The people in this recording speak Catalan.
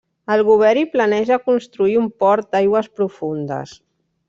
El govern hi planeja construir un port d'aigües profundes.